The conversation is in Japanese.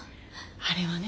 あれはね